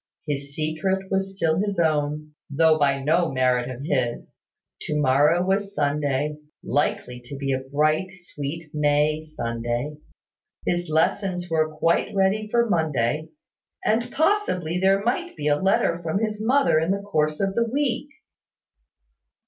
His secret was still his own (though by no merit of his); to morrow was Sunday, likely to be a bright, sweet May Sunday, his lessons were quite ready for Monday; and possibly there might be a letter from his mother in the course of the week.